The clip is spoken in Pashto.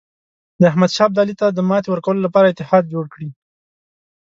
د احمدشاه ابدالي ته د ماتې ورکولو لپاره اتحاد جوړ کړي.